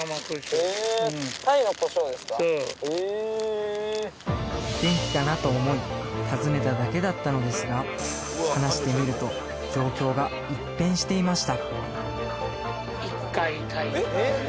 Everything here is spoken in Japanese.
へえそう元気かな？と思い訪ねただけだったのですが話してみると状況が一変していました